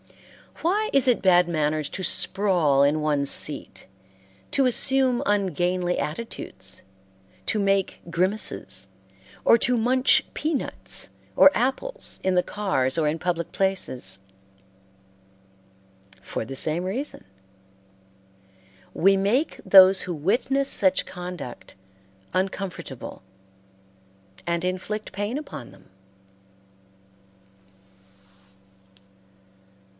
Why is it bad manners to sprawl in one's seat, to assume ungainly attitudes, to make grimaces, or to munch peanuts or apples in the cars or in public places? For the same reason. We make those who witness such conduct uncomfortable, and inflict pain upon them.